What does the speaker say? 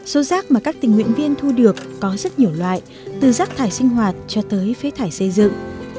số rác mà các tình nguyện viên thu được có rất nhiều loại từ rác thải sinh hoạt cho tới phế thải xây dựng